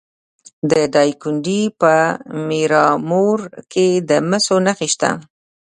د دایکنډي په میرامور کې د مسو نښې شته.